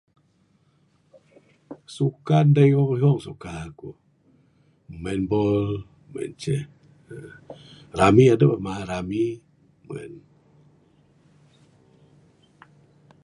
Sukan da ihong ihong suka ku...main bol meng en ceh...Rami adeh mah rami meng en.